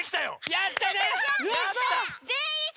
やったね！